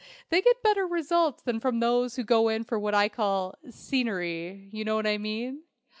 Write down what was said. They get better results than from those who go in for what I call 'scenery'. You know what I mean?"